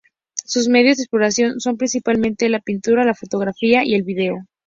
Sus medios de exploración son, principalmente, la pintura, la fotografía y el video.